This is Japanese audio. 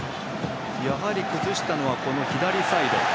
やはり崩したのは左サイド。